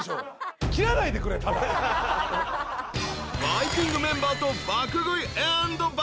［『バイキング』メンバーと爆食いアンド爆飲み］